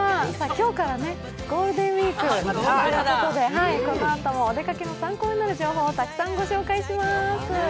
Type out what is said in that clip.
今日からね、ゴールデンウイークということでこのあともお出かけの参考になる情報をたくさんご紹介します。